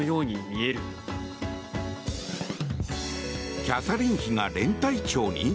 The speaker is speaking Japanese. キャサリン妃が連隊長に？